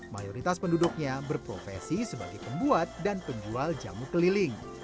mayoritas penduduknya berprofesi sebagai pembuat dan penjual jamu keliling